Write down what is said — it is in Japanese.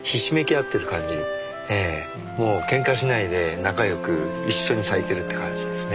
もうけんかしないで仲良く一緒に咲いてるって感じですね。